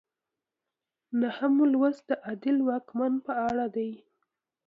نهم لوست د عادل واکمن په اړه دی.